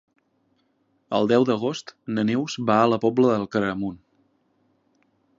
El deu d'agost na Neus va a la Pobla de Claramunt.